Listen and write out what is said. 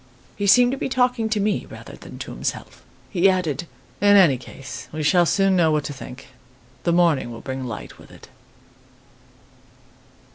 "He seemed to be talking to me rather than to himself. He added: 'In any case, we shall soon know what to think. The morning will bring light with it.